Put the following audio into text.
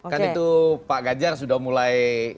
kan itu pak ganjar sudah mulai